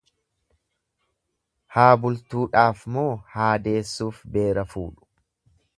Haa bultuudhaaf moo haa deessuuf beera fuudhu.